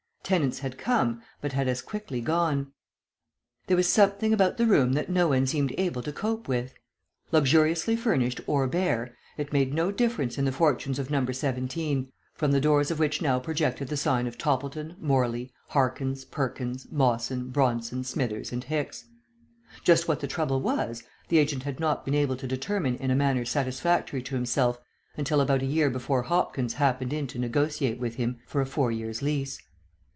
Tenants had come but had as quickly gone. There was something about the room that no one seemed able to cope with. Luxuriously furnished or bare, it made no difference in the fortunes of Number 17, from the doors of which now projected the sign of Toppleton, Morley, Harkins, Perkins, Mawson, Bronson, Smithers, and Hicks. Just what the trouble was, the agent had not been able to determine in a manner satisfactory to himself until about a year before Hopkins happened in to negotiate with him for a four years' lease.